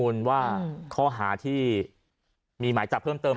ปอล์กับโรเบิร์ตหน่อยไหมครับ